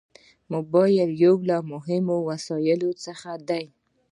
موبایل یو له مهمو وسایلو څخه دی.